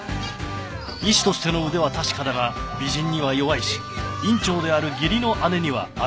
医師としての腕は確かだが美人には弱いし院長である義理の姉には頭が上がらない